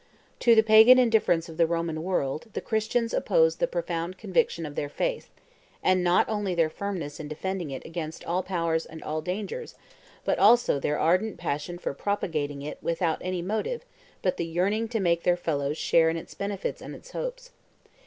To the pagan indifference of the Roman world the Christians opposed the profound conviction of their faith, and not only their firmness in defending it against all powers and all dangers, but also their ardent passion for propagating it without any motive but the yearning to make their fellows share in its benefits and its hopes.